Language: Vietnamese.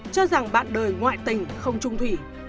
cho rằng bạn đời ngoại tình không trung thủy